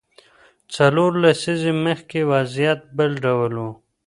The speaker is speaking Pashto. څلور لسیزې مخکې وضعیت بل ډول و.